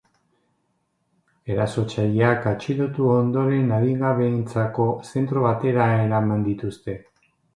Erasotzaileak atxilotu ondoren adingabeentzako zentro batera eraman dituzte.